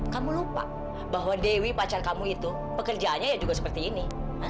kamu lupa bahwa dewi pacar kamu itu pekerjaannya ya juga seperti ini